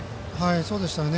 そうでしたね。